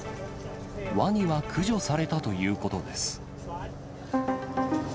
ワニは駆除されたということです。